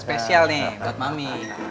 spesial nih buat mami